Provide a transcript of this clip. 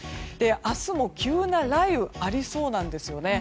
明日も急な雷雨がありそうなんですよね。